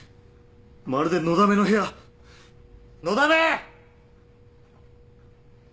まるでのだめの部屋。のだめ！